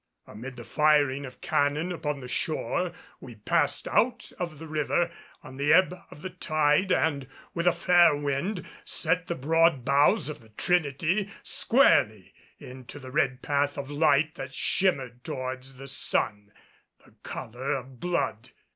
Amid the firing of cannon upon the shore we passed out of the river on the ebb of the tide and with a fair wind set the broad bows of the Trinity squarely into the red path of light that shimmered towards the sun, the color of blood.